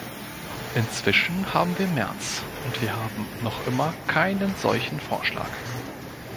Inzwischen haben wir März, und wir haben noch immer keinen solchen Vorschlag.